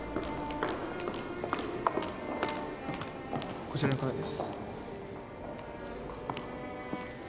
こちらの方です。